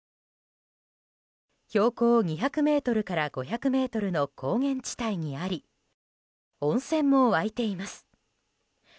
標高２００ｍから５００ｍの高原地帯にあり温泉も湧いています。